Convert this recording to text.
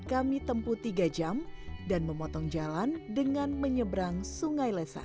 kami tempuh tiga jam dan memotong jalan dengan menyeberang sungai lesan